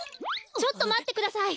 ちょっとまってください。